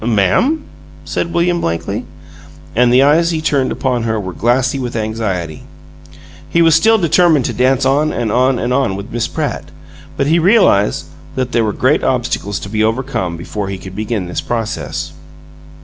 "Ma'am?" said William, blankly, and the eyes he turned upon here were glassy with anxiety. He was still determined to dance on and on and on with Miss Pratt, but he realized that there were great obstacles to be overcome before he could begin the process.